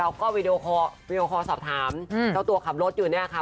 แล้วก็วีดีโอคอสอบถามเจ้าตัวขับรถอยู่แน่ค่ะ